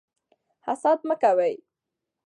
حسد مه کوئ.